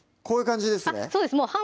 こういう感じですね